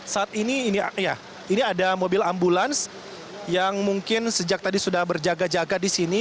saat ini ini ada mobil ambulans yang mungkin sejak tadi sudah berjaga jaga di sini